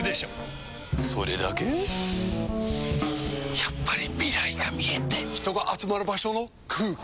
やっぱり未来が見えて人が集まる場所の空気！